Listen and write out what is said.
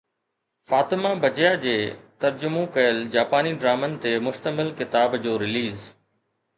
فاطمه بجيا جي ترجمو ڪيل جاپاني ڊرامن تي مشتمل ڪتاب جو رليز